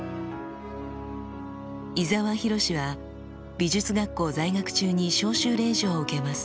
伊澤洋は美術学校在学中に召集令状を受けます。